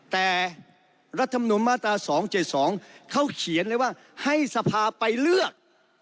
แต่รัฐมนุมมาตรา๒๗๒เขาเขียนเลยว่าให้สภาไปเลือก